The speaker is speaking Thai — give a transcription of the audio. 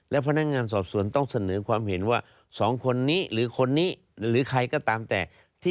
และพนักงานสอบสวนต้องเสนอความเห็นว่า๒คนนี้หรือคนนี้หรือใครก็ตามแต่ที่